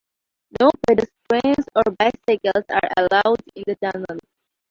No pedestrians or bicycles are allowed in the tunnel.